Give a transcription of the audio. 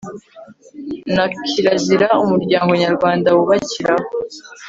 na kirazira umuryango nyarwanda wubakiraho